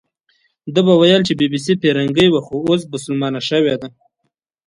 ده به ویل چې بي بي سي فیرنګۍ وه، خو اوس بسلمانه شوې ده.